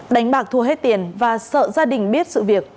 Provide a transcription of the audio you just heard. đánh bạc thua hết tiền và sợ gia đình biết sự việc